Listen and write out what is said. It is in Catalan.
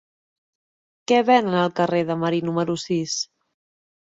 Què venen al carrer de Marí número sis?